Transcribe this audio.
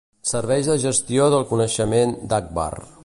Serveis de Gestió del Coneixement d'Agbar.